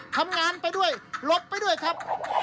ทำงานไปด้วยหลบไปด้วยครับ